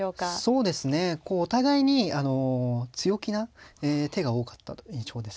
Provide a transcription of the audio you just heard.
そうですねこうお互いに強気な手が多かったという印象ですね。